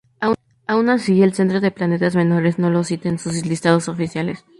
Aun así, el Centro de Planetas Menores no lo cita en sus listados oficiales.